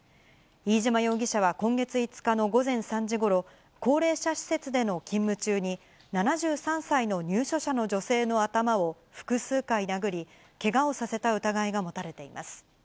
飯島容疑者は今月５日の午前３時ごろ、高齢者施設での勤務中に、７３歳の入所者の女性の頭を複数回殴り、けがをさせた疑いが持たれています。